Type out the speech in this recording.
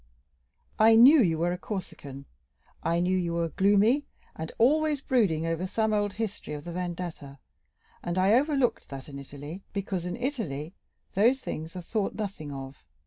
I knew you were a Corsican. I knew you were gloomy, and always brooding over some old history of the vendetta; and I overlooked that in Italy, because in Italy those things are thought nothing of.